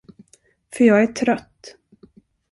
För jag är trött.